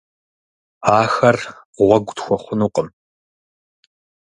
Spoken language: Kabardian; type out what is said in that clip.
Ахэр гъуэгу тхуэхъунукъым.